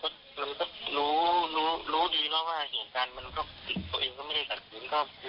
เราก็รู้ดีแล้วว่าเหตุการณ์มันก็ติดตัวเองก็ไม่ได้กัดคุณ